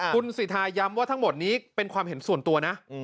คุณสิทาย้ำว่าทั้งหมดนี้เป็นความเห็นส่วนตัวนะ